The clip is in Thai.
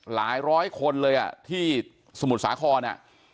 หลายร้อยคนเลยอ่ะที่สมุทรสาครน่ะ